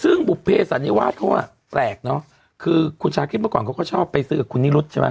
ซึ่งบุภเพสันนิวาสเขาอ่ะแปลกเนอะคือคุณชาคิดเมื่อก่อนเขาก็ชอบไปซื้อกับคุณนิรุธใช่ไหม